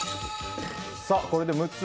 これで６つ。